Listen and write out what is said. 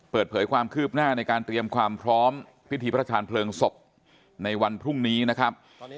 เปิดเผยความคืบหน้าในการเตรียมความพร้อมพิธีพระชาญเพลิงศพในวันพรุ่งนี้นะครับ